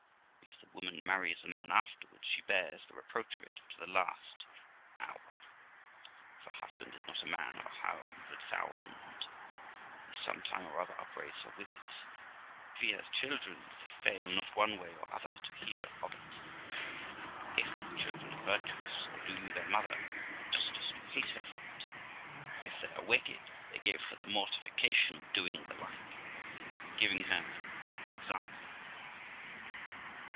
If the woman marries the man afterwards, she bears the reproach of it to the last hour. If her husband is not a man of a hundred thousand, he some time or other upbraids her with it. If he has children, they fail not one way or other to hear of it. If the children are virtuous, they do their mother the justice to hate her for it; if they are wicked, they give her the mortification of doing the like, and giving her for the example.